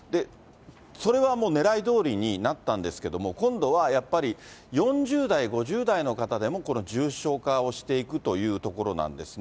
それはもう狙いどおりになったんですけども、今度はやっぱり、４０代、５０代の方でも重症化をしていくというところなんですね。